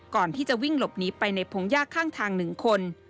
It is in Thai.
ก่อนที่จะวิ่งหลบหนีไปในพงยากข้างทาง๑คน